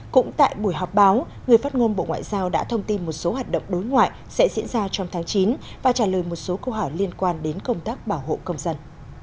cũng tại buổi họp báo người phát ngôn bộ ngoại giao đã thông tin một số hoạt động đối ngoại sẽ diễn ra trong tháng chín và trả lời một số câu hỏi liên quan đến công tác bảo hộ công dân